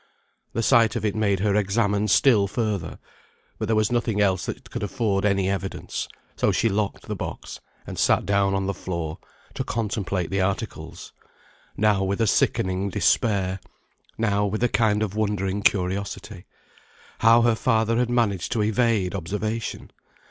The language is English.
The sight of it made her examine still further, but there was nothing else that could afford any evidence, so she locked the box, and sat down on the floor to contemplate the articles; now with a sickening despair, now with a kind of wondering curiosity, how her father had managed to evade observation.